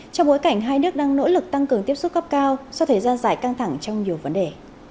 trong bối cảnh hai nước đang nỗ lực tăng cường tiếp xúc gấp cao so với thời gian dài căng thẳng trong nhiều vấn đề